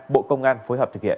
bộ công an phối hợp thực hiện